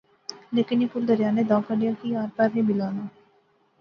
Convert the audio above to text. لیکن یو پل دریا نے داں کنڈیاں کی آر پار نی ملانا